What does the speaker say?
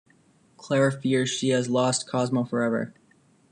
Clara fears she has lost Cosmo forever.